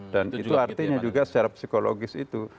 itu artinya juga secara psikologis itu